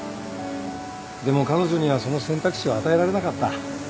でも彼女にはその選択肢は与えられなかった。